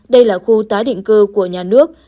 đây là khu tá định cư của nhà nước